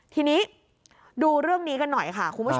ทีนี้ดูเรื่องนี้กันหน่อยค่ะคุณผู้ชม